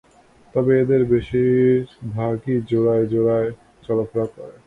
তবে এদের বেশির ভাগই জোড়ায় জোড়ায় চলাফেরা করে।